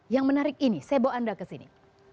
yang menarik ini sebo anda ke sini